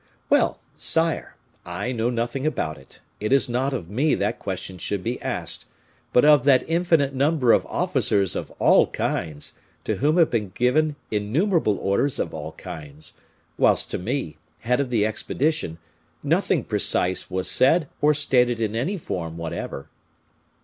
"Well! sire, I know nothing about it; it is not of me that question should be asked, but of that infinite number of officers of all kinds, to whom have been given innumerable orders of all kinds, whilst to me, head of the expedition, nothing precise was said or stated in any form whatever."